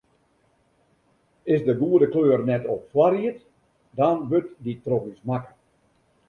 Is de goede kleur net op foarried, dan wurdt dy troch ús makke.